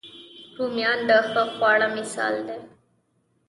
رومیان د ښه خواړه مثال دي